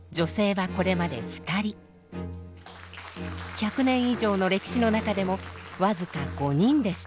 １００年以上の歴史の中でも僅か５人でした。